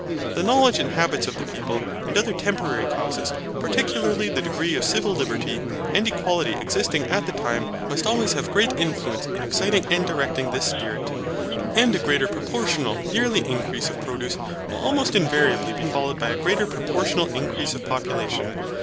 The knowledge and habits of the people, and other temporary causes, particularly the degree of civil liberty and equality existing at the time, must always have great influence in exciting and directing this spirit.) And a greater proportional yearly increase of produce will almost invariably be followed by a greater proportional increase of population.